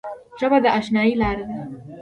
ژبه د اشنايي لاره ده